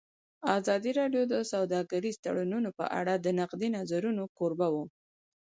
ازادي راډیو د سوداګریز تړونونه په اړه د نقدي نظرونو کوربه وه.